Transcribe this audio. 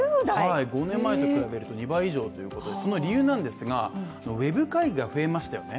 ５年前と比べると２倍以上ということで、その理由なんですがウェブ会議が増えましたよね。